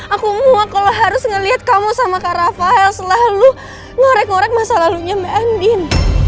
aku muak kalau harus ngeliat kamu sama kak rafael selalu ngorek ngorek masa lalunya mba endin